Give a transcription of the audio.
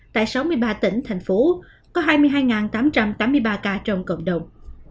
tại sáu mươi ba tỉnh thành phố có hai mươi hai tám trăm tám mươi ba ca trong cộng đồng